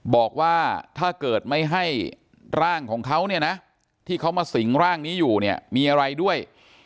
บอกว่าถ้าเกิดไม่ให้ร่างของเขาเนี่ยนะที่เขามาสิงร่างนี้อยู่เนี่ยมีอะไรด้วย